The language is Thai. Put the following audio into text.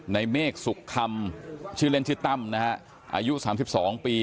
เมฆสุขคำชื่อเล่นชื่อตั้มนะฮะอายุ๓๒ปี